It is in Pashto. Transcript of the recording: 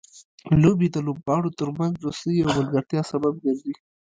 لوبې د لوبغاړو ترمنځ دوستۍ او ملګرتیا سبب ګرځي.